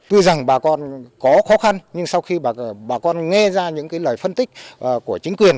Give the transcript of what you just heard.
tuy rằng bà con có khó khăn nhưng sau khi bà con nghe ra những lời phân tích của chính quyền